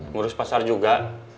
ngurus pasar juga